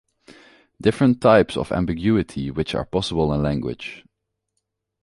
Different types of ambiguity which are possible in language.